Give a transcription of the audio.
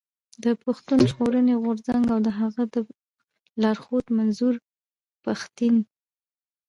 د پښتون ژغورني غورځنګ او د هغه د لارښود منظور پښتين.